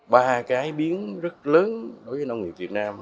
ba cái biến rất lớn đối với nông nghiệp việt nam